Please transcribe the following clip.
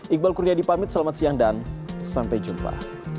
iqbal kurnia dipamit selamat siang dan sampai jumpa